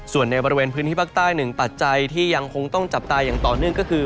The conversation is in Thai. ส่วนในบริเวณพื้นที่ภาคใต้หนึ่งปัจจัยที่ยังคงต้องจับตาอย่างต่อเนื่องก็คือ